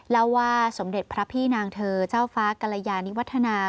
เล่าว่าสมเด็จพระพี่นางเธอเจ้าฟ้ากรยานิวัฒนา